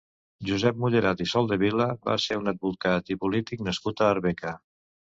Josep Mullerat i Soldevila va ser un advocat i polític nascut a Arbeca.